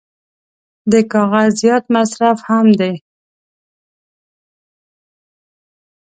د کاغذ زیات مصرف هم دی.